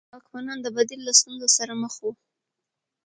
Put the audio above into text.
برېټانوي واکمنان د بدیل له ستونزې سره مخ وو.